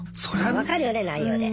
分かるよね内容で。